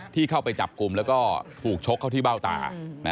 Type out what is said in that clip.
ที่เข้าไปจับกลุ่มแล้วก็ถูกชกเข้าที่เบ้าตา